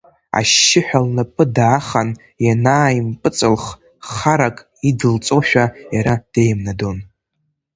Ашьшьыҳәа лнапы даахан ианааимпыҵылх, харак идылҵозшәа иара деимнадон.